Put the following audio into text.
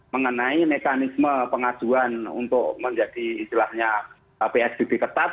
mengenai mekanisme pengajuan untuk menjadi istilahnya psbb ketat